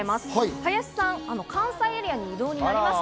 林さん、関西エリアに異動になりました。